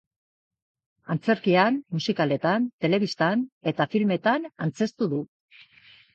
Antzerkian, musikaletan, telebistan eta filmetan antzeztu du.